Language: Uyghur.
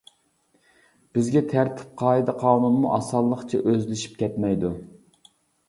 بىزگە تەرتىپ، قائىدە-قانۇنمۇ ئاسانلىقچە ئۆزلىشىپ كەتمەيدۇ.